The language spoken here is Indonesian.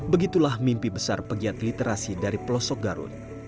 begitulah mimpi besar pegiat literasi dari pelosok garut